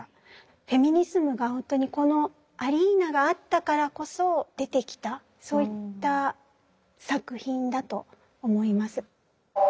フェミニズムが本当にこのアリーナがあったからこそ出てきたそういった作品だと思います。